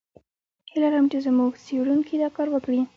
هیله لرم چې زموږ څېړونکي دا کار وکړي.